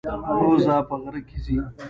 بوزه په غره کې ځي.